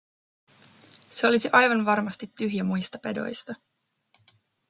Se olisi aivan varmasti tyhjä muista pedoista.